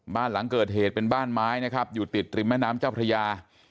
บ้านหลังเกิดเหตุเป็นบ้านไม้นะครับอยู่ติดริมแม่น้ำเจ้าพระยา